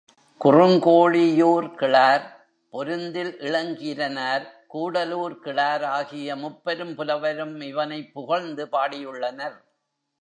குறுங்கோழியூர் கிழார், பொருந்தில் இளங்கீரனார், கூடலூர் கிழார் ஆகிய முப்பெரும் புலவரும் இவனைப் புகழ்ந்து பாடியுள்ளனர்.